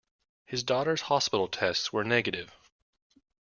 Her daughter's hospital tests were negative.